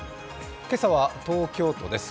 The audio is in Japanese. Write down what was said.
今朝は東京都です。